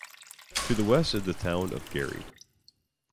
To the west is the town of Gerry.